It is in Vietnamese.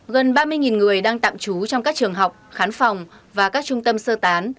gần ba mươi người đang tạm trú trong các trường học khán phòng và các trung tâm sơ tán